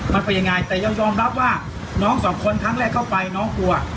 มันเป็นยังไงแต่ยังยอมรับว่าน้องสองคนครั้งแรกเข้าไปน้องกลัว